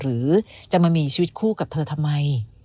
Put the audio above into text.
หรือจะมามีชีวิตคู่กับเธอทำไม